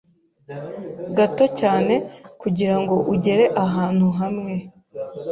gato cyane kugirango ugere ahantu hamwe